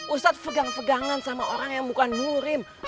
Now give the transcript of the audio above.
ustadz pegang pegangan sama orang yang bukan nurim